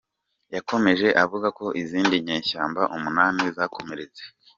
Yakomeje avuga ko izindi nyeshyamba umunani zakomeretse.